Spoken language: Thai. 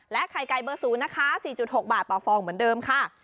และไข่ไก่เบอร์ศูนย์นะคะสี่จุดหกบาทต่อฟองเหมือนเดิมค่ะ